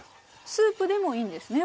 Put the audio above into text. スープでもいいんですね？